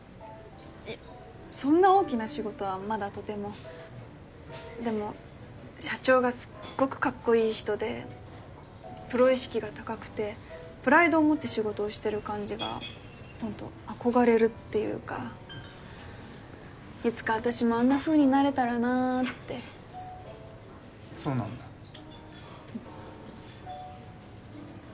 いやそんな大きな仕事はまだとてもでも社長がすっごくカッコいい人でプロ意識が高くてプライドを持って仕事をしてる感じがホント憧れるっていうかいつか私もあんなふうになれたらなーってそうなんだうん